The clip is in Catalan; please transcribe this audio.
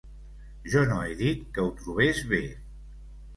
Jo no he dit que ho trobés bé